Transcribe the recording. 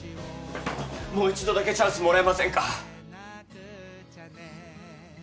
もう一度だけチャンスもらえませんか？